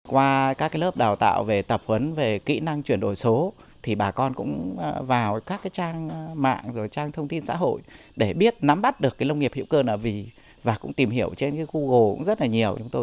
qua các lớp đào tạo về tập huấn về kỹ năng chuyển đổi số thì bà con cũng vào các trang mạng trang thông tin xã hội để biết nắm bắt được nông nghiệp hiệu cơ nào vì và cũng tìm hiểu trên google rất là nhiều